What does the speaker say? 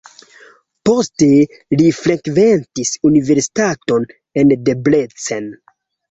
Poste li frekventis universitaton en Debrecen.